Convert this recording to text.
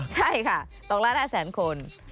ใช่ค่ะ๒ล้าน๕แสนคน